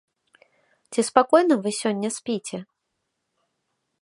Ці спакойна вы сёння спіце?